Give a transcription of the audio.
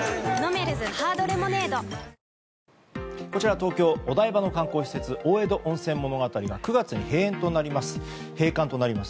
東京・お台場の観光施設大江戸温泉物語が９月に閉館となります。